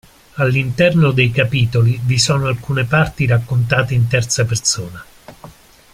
All'interno dei capitoli vi sono alcune parti raccontate in terza persona.